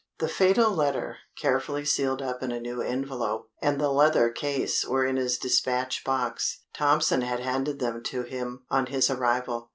The fatal letter, carefully sealed up in a new envelope, and the leather case were in his despatch box. Tompson had handed them to him on his arrival.